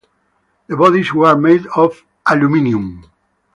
The bodies were made of aluminium.